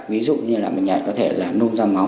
ví dụ như là mình nhảy có thể là nôm ra máu